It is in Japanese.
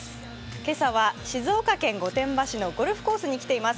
今朝は静岡県御殿場市のゴルフコースに来ています。